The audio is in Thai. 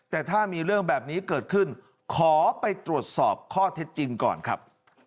แต่ถ้ามีเรื่องแบบนี้เกิดขึ้นขอไปตรวจสอบข้อเท็จจริงก่อนครับ